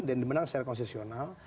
dan menang secara konsesional